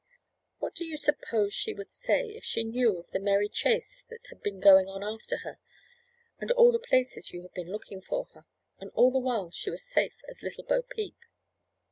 What do you suppose she would say if she knew of the merry chase that had been going on after her, and all the places you have been looking for her? And all the while she was as safe as little Bo peep."